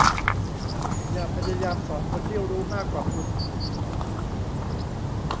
อย่าพยายามสอนคนที่รู้มากกว่าคุณ